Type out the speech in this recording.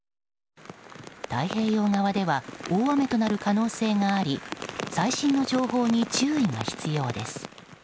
太平洋側では大雨となる可能性があり最新の情報に注意が必要です。